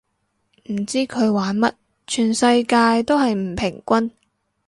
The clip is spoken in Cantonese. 唔知佢玩乜，全世界都係唔平均